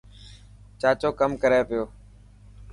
چاچو ڪم ڪري پيو.